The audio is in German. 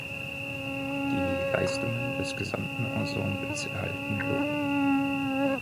Die Leistungen des gesamten Ensembles erhalten Lob.